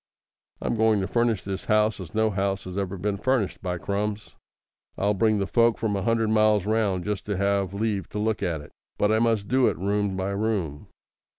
I'm going to furnish this house as no house has ever been furnished. By Crums! I'll bring the folk from a hundred miles round just to have leave to look at it. But I must do it room by room.